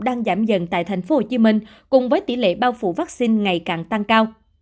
đang giảm dần tại tp hcm cùng với tỷ lệ bao phủ vaccine ngày càng tăng cao